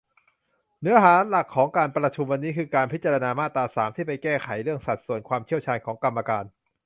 เนื้อหาหลักของการประชุมวันนี้ คือการพิจารณามาตรา สาม ที่ไปแก้ไขเรื่อง สัดส่วนความเชี่ยวชาญของกรรมการ